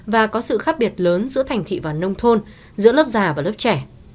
và có sự khác biệt lớn giữa thành thị và nông thôn giữa lớp già và lớp trẻ